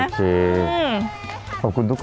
ชอบคุณครับ